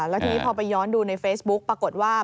แล้วทีนี้พอไปย้อนดูในเฟซบุ๊กปรากฏว่า